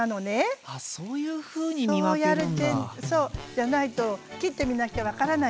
じゃないと切ってみなきゃ分からないじゃない。